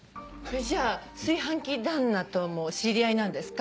じゃあ炊飯器旦那とも知り合いなんですか？